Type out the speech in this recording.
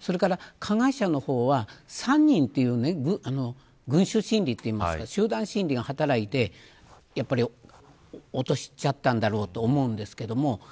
それから加害者の方は３人という群集心理と言いますか集団心理が働いて落としちゃったんだろうと思います。